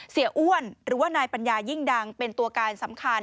อ้วนหรือว่านายปัญญายิ่งดังเป็นตัวการสำคัญ